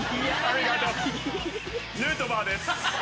ヌートバーです。